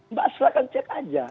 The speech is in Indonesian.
mbak silahkan cek aja